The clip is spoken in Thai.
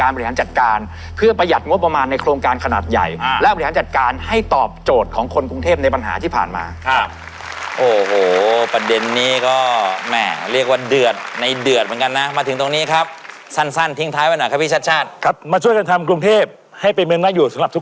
อาจจะต้องเอางานออกไปที่หาคนด้วยคือเมืองที่อยู่แถวฝั่งตรงนั้นออก